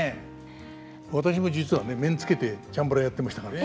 私も実はね面つけてチャンバラやってましたから。